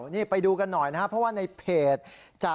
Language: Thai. นี่ไปดูกันหน่อยนะครับเพราะว่าในเพจ